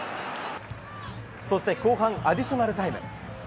そして後半アディショナルタイム。